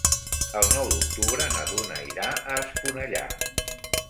El nou d'octubre na Duna irà a Esponellà.